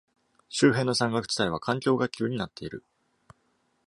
周辺の山岳地帯は環境「学級」になっている。